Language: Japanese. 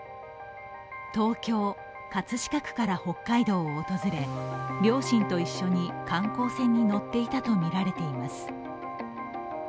東京・葛飾区から北海道を訪れ、両親と一緒に観光船に乗っていたとみられています。